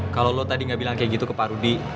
kalau lo tadi nggak bilang kayak gitu ke pak rudi